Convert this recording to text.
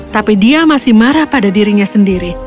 tapi dia masih marah pada dirinya sendiri